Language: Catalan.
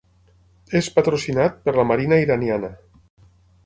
És patrocinat per la marina iraniana.